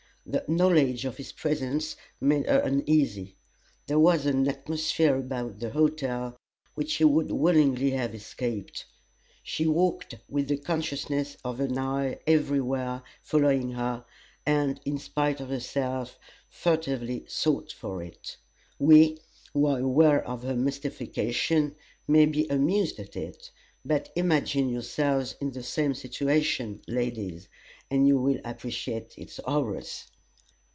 The knowledge of his presence made her uneasy; there was an atmosphere about the hotel which she would willingly have escaped. She walked with the consciousness of an eye every where following her, and, in spite of herself, furtively sought for it. We, who are aware of her mystification, may be amused at it; but imagine yourselves in the same situation, ladies, and you will appreciate its horrors!